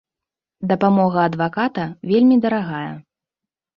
Дапамога адваката вельмі дарагая.